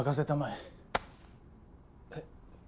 えっ？